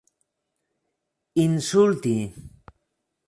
insulti